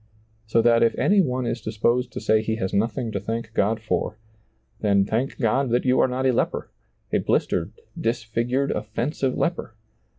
So that if any one is disposed to say he has nothing to thank God for, then thank God that you are not a leper — a blistered, dis figured, offensive leper